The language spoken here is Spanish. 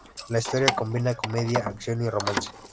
La historia combina comedia, acción y romance.